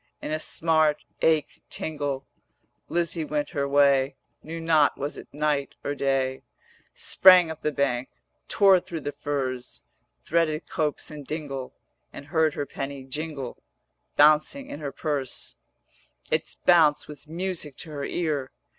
In a smart, ache, tingle, Lizzie went her way; Knew not was it night or day; Sprang up the bank, tore thro' the furze, 450 Threaded copse and dingle, And heard her penny jingle Bouncing in her purse, Its bounce was music to her ear.